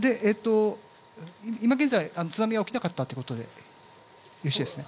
今現在、津波は起きなかったということでよろしいですね？